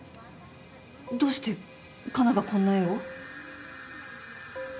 どうして可奈がこんな絵を？